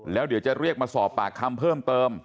แล้วเดี๋ยวจะเรียกมาสอบปากคำเพิ่มเติม